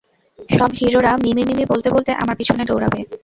সব হিরোরা মিমি-মিমি বলতে বলতে আমার পিছনে দৌড়াবে।